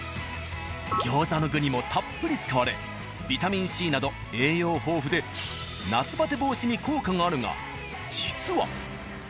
餃子の具にもたっぷり使われビタミンＣなど栄養豊富で夏バテ防止に効果があるが実は。